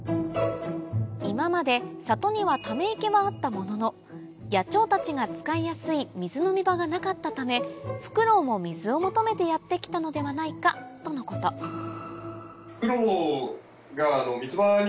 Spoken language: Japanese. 今まで里にはため池はあったものの野鳥たちが使いやすい水飲み場がなかったためフクロウも水を求めてやって来たのではないかとのことただ。